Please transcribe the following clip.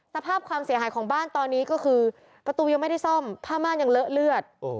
สภาพความเสียหายของบ้านตอนนี้ก็คือประตูยังไม่ได้ซ่อมผ้าม่านยังเลอะเลือด